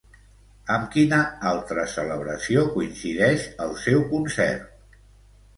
Amb quina altra celebració coincideix el seu concert?